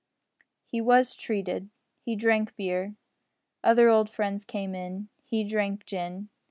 He was "treated." He drank beer. Other old friends came in. He drank gin.